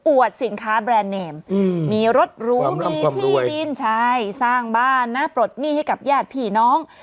สินค้าแบรนด์เนมมีรถหรูมีที่ดินใช่สร้างบ้านนะปลดหนี้ให้กับญาติพี่น้อง